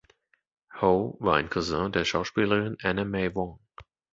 Howe war ein Cousin der Schauspielerin Anna May Wong.